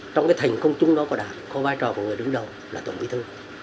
trong cái thành công chung đó của đảng có vai trò của người đứng đầu là tổng bí thư